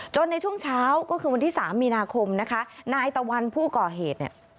ในช่วงเช้าก็คือวันที่สามมีนาคมนะคะนายตะวันผู้ก่อเหตุเนี่ย